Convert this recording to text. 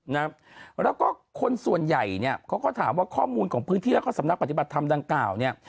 นะแล้วก็คนส่วนใหญ่เนี่ยเขาก็ถามว่าข้อมูลของพื้นที่แล้วก็สำนักปฏิบัติธรรมดังกล่าวเนี่ย